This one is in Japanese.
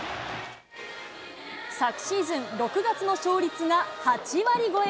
昨シーズン、６月の勝率が８割超え。